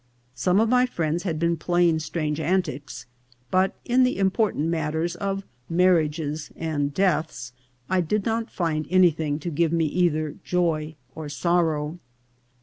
Some of my friends had been playing strange antics ; but in the important mat ters of marriages and deaths I did not find anything to give me either joy or sorrow.